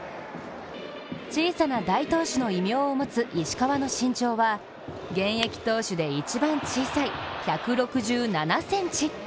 小さな大投手の異名を持つ石川の身長は現役投手で一番小さい１６７ｃｍ。